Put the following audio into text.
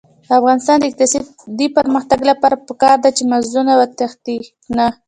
د افغانستان د اقتصادي پرمختګ لپاره پکار ده چې مغزونه وتښتي نه.